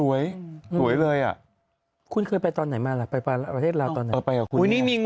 โอเคเลยอ่ะคุณเคยไปตอนไหนมาล่ะไปปลาลาวราชาธิบราวตอนไหน